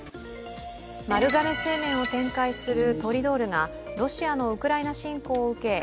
丸亀製麺を展開するトリドールがロシアのウクライナ侵攻を受け